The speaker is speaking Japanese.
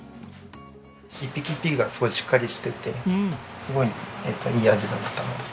一匹一匹がすごいしっかりしててすごいいい味だったなと。